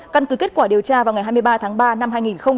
căn cứ kết quả điều tra vào ngày hai mươi ba tháng ba năm hai nghìn hai mươi